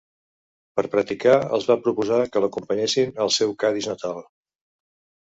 Per practicar, els va proposar que l'acompanyessin al seu Cadis natal.